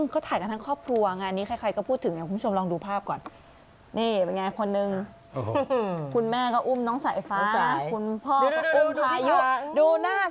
ก็ถ่ายกันทั้งครอบครัวงานนี้ใครก็พูดถึงอย่างคุณชมลองดูภาพก่อนนี่เป็นไงคนหนึ่งคุณแม่ก็อุ้มน้องสายฟ้า